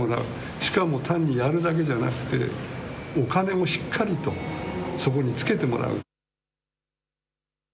しかも単にやるだけではなくお金をしっかりと、そこにつけてもらう。